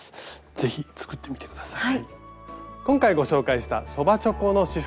是非作ってみて下さい。